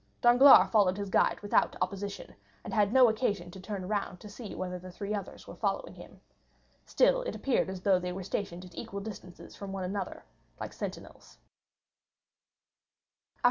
Danglars followed his guide without opposition, and had no occasion to turn around to see whether the three others were following him. Still it appeared as though they were stationed at equal distances from one another, like sentinels.